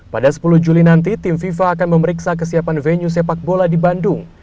pada sepuluh juli nanti tim fifa akan memeriksa kesiapan venue sepak bola di bandung